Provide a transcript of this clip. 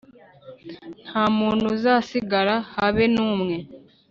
Nta muntu uzasigara, habe n’umwe